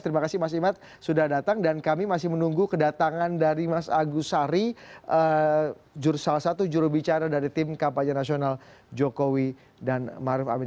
terima kasih mas imad sudah datang dan kami masih menunggu kedatangan dari mas agus sari salah satu jurubicara dari tim kampanye nasional jokowi dan maruf amin